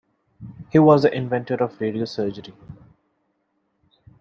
He was the inventor of radiosurgery.